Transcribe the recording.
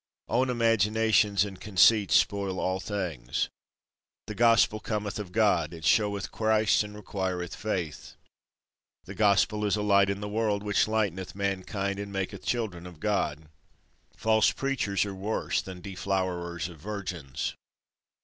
Own imaginations and conceits spoil all things. The Gospel cometh of God, it showeth Christ, and requireth Faith. The Gospel is a light in the world, which lighteneth mankind, and maketh children of God. False Preachers are worse than deflowerers of virgins.